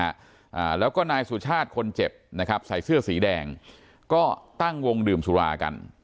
อ่าแล้วก็นายสุชาติคนเจ็บนะครับใส่เสื้อสีแดงก็ตั้งวงดื่มสุรากัน